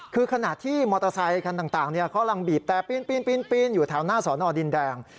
คือขณะที่มอเตอร์ไซคันต่างเขากำลังบีบแต่ปีนอยู่แถวหน้าสอนอดินแดง